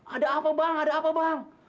ada apa bang ada apa bang